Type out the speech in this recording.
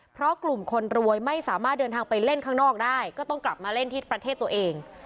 เพราะกลุ่มคนรวยไม่สามารถเดินทางไปเล่นข้างนอกได้ก็ต้องกลับมาเล่นที่ประเทศตัวเอง